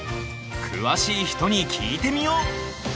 詳しい人に聞いてみよう！